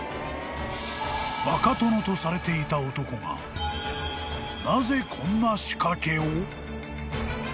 ［バカ殿とされていた男がなぜこんな仕掛けを？］